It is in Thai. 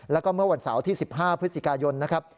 แล้วก็เมื่อวันเสาร์ที่๑๕พฤศจิกายนนะครับ